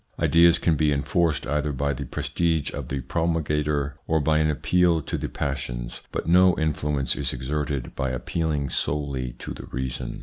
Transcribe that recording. Ideas can be enforced either by the prestige of the promulgator or by an appeal to the passions, but no influence is exerted by appealing solely to the reason.